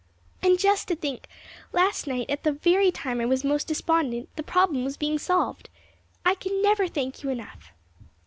And, just to think! last night, at the very time I was most despondent, the problem was being solved. I can never thank you enough."